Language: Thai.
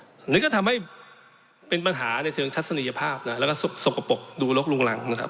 อันนี้ก็ทำให้เป็นปัญหาในเชิงทัศนียภาพนะแล้วก็สกปรกดูลกลุงรังนะครับ